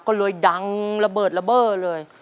ก็เลยดังระเบิดระเบิดเลย